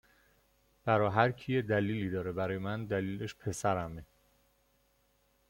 برا هرکی یه دلیلی داره برا من دلیلش پسرمه